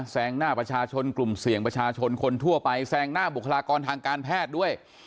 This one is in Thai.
งหน้าประชาชนกลุ่มเสี่ยงประชาชนคนทั่วไปแซงหน้าบุคลากรทางการแพทย์ด้วย